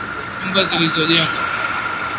Nyumba zilizojengwa.